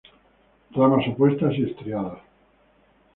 Ramas opuestas y estriadas.